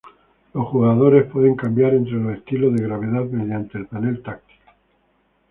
Los jugadores pueden cambiar entre los estilos de gravedad mediante el panel táctil.